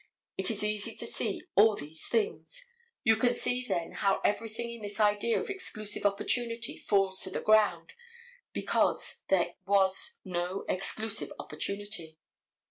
It is easy to see all these things. You can see then how everything in this idea of exclusive opportunity falls to the ground, because there was no exclusive opportunity.